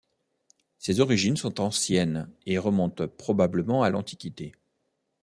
Ses origines sont anciennes et remontent probablement à l'antiquité.